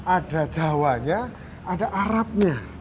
ada jawanya ada arabnya